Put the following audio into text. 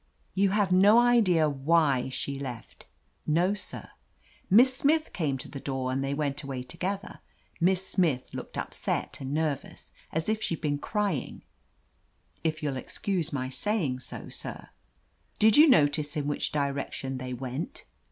You have no idea why she left ?" No, sir. Miss Smith came to the door, and they went away together. Miss Smith looked upset and nervous, as if she'd been cry ing — if you'll excuse my saying so, sir." "Did you notice in which direction they went?"